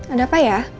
ada apa ya